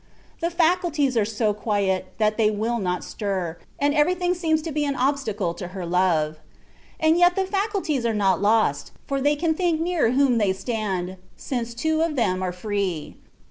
The faculties are so quiet, that they will not stir, and everything seems to be an obstacle to her love. And yet the faculties are not lost, for they can think near whom they stand, since two of them are free.